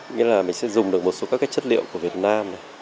nghĩa là mình sẽ dùng được một số các chất liệu của việt nam